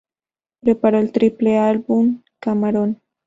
Preparó el triple álbum Camarón.